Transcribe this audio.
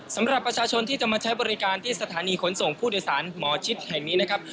สำหรับประชาชนที่จะมาใช้บริการที่สถานีขนส่งผู้โดยสารหมอชิดแห่งนี้นะครับ